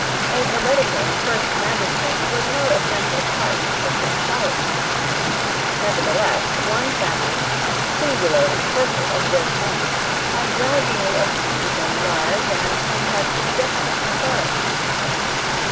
A hereditary first magistrate was no essential part of this polity. Nevertheless one family, singularly fertile of great men, had gradually obtained a large and somewhat indefinite authority.